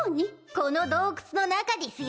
この洞窟の中でぃすよ。